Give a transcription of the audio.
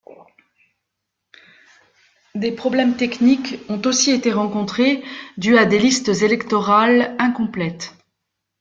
Des problèmes techniques ont aussi été rencontrés dus à des listes électorales incomplètes.